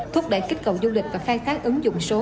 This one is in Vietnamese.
thúc đẩy kích cầu du lịch và khai thác ứng dụng số